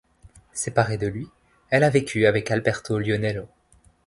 Séparée de lui, elle a vécu avec Alberto Lionello.